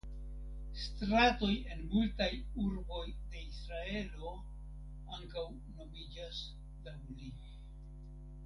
Stratoj en multaj urboj de Israelo ankaŭ nomiĝas laŭ li.